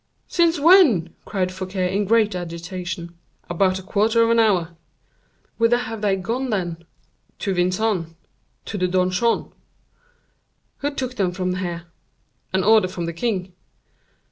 "Since when?" cried Fouquet, in great agitation. "About a quarter of an hour." "Whither have they gone, then?" "To Vincennes—to the donjon." "Who took them from here?" "An order from the king."